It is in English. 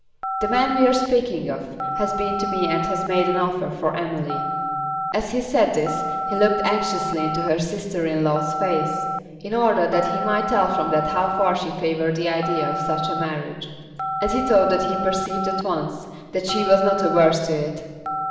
"The man we are speaking of has been to me and has made an offer for Emily." As he said this he looked anxiously into his sister in law's face, in order that he might tell from that how far she favoured the idea of such a marriage, and he thought that he perceived at once that she was not averse to it.